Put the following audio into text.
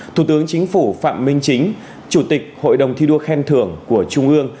thủ tướng chính phủ phạm minh chính chủ tịch hội đồng thi đua khen thưởng của trung ương